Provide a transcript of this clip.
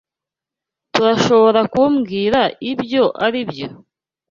Turashoborakumbwira ibyo aribyo?